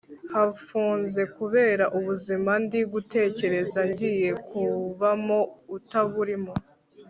hafunze kubera ubuzima ndi gutekereza ngiye kubamo utaburimo